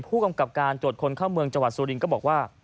ผู้กำกับการตรวจคนเข้าเมืองจังหวัดสุรินทร์ก็บอกว่า